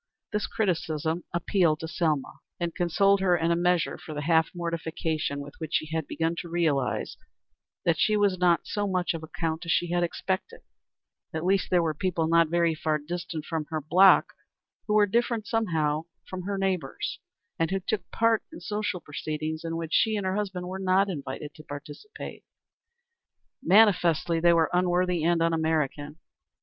This criticism appealed to Selma, and consoled her in a measure for the half mortification with which she had begun to realize that she was not of so much account as she had expected; at least, that there were people not very far distant from her block who were different somehow from her neighbors, and who took part in social proceedings in which she and her husband were not invited to participate. Manifestly they were unworthy and un American.